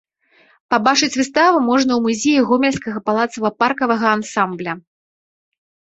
Пабачыць выставу можна ў музеі гомельскага палацава-паркавага ансамбля.